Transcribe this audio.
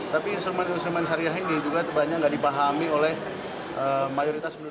tapi instrumen instrumen syariah ini juga terbanyak tidak dipahami oleh mayoritas